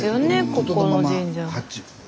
ここの神社。